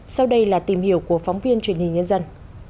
sau đây là tìm hiểu của phóng viên truyền hình nhân dân